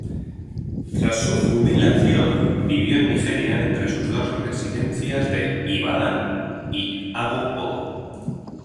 Tras su jubilación, vivió en Nigeria entre sus dos residencias de Ibadán y Ago-Odo.